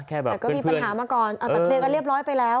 แต่ก็มีปัญหามาก่อนแต่เคลียร์กันเรียบร้อยไปแล้ว